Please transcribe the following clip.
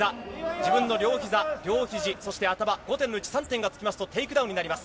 自分の両ひざ、両ひじそして頭５点のうち３点が付きますとテイクダウンになります。